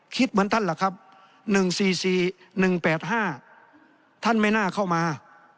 เหมือนท่านล่ะครับ๑๔๔๑๘๕ท่านไม่น่าเข้ามา